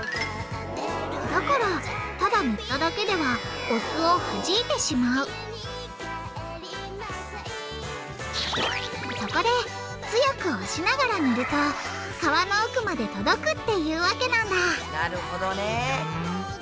だからただ塗っただけではお酢をはじいてしまうそこで強く押しながら塗ると皮の奥まで届くっていうわけなんだなるほどね。